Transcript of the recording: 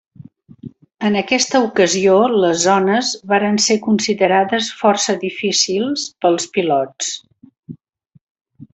En aquesta ocasió, les zones varen ser considerades força difícils pels pilots.